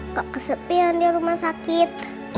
gak kesepian di rumah sakit